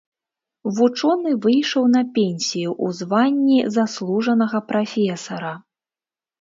Вучоны выйшаў на пенсію ў званні заслужанага прафесара.